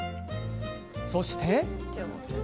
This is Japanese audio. そして。